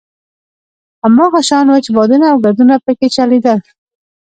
هماغه شان وچ بادونه او ګردونه په کې چلېدل.